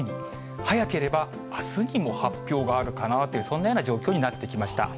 早ければあすにも発表があるかなという、そんなような状況になってきました。